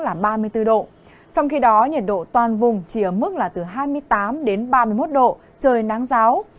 là ba mươi bốn độ trong khi đó nhiệt độ toàn vùng chỉ ở mức là từ hai mươi tám ba mươi một độ trời nắng giáo